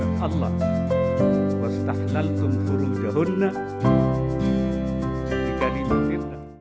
di allah yang mengambilnya dengan amanah allah